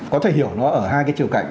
có thể hiểu nó ở hai cái chiều cạnh